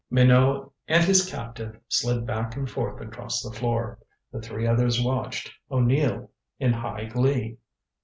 Minot and his captive slid back and forth across the floor. The three others watched, O'Neill in high glee.